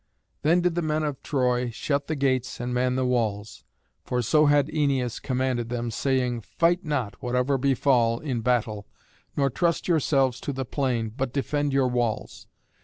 Then did the men of Troy shut the gates and man the walls. For so had Æneas commanded them, saying, "Fight not, whatever befall, in battle, nor trust yourselves to the plain, but defend your walls."